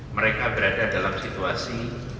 mereka berada dalam situasi